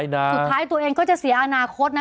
สุดท้ายตัวเองก็จะเสียอนาคตนะ